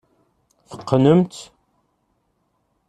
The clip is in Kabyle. Teqqnemt.